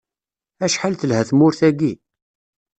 Acḥal telha tmurt-agi!